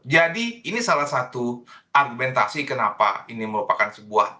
jadi ini salah satu argumentasi kenapa ini merupakan sebuah